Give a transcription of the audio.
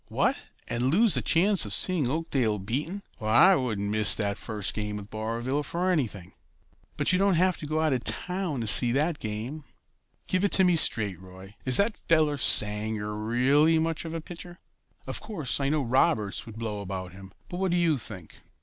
"What, and lose the chance of seeing Oakdale beaten? Why, I wouldn't miss that first game with Barville for anything." "But you don't have to go out of this town to see that game. Give it to me straight, Roy, is that fellow Sanger really much of a pitcher? Of course, I know Roberts would blow about him, but what do you think?"